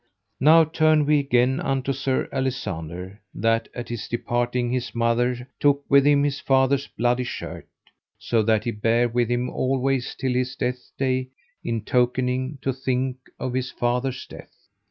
Now turn we again unto Sir Alisander, that at his departing his mother took with him his father's bloody shirt. So that he bare with him always till his death day, in tokening to think of his father's death.